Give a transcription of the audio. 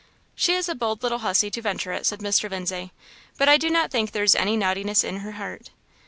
"She is a bold little hussy, to venture it," said Mr. Lindsay, "but I do not think there is any naughtiness in her heart."